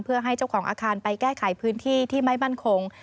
เพื่อให้เจ้าของอาคารไปแก้ไขพื้นที่ที่ไม่มั่นคง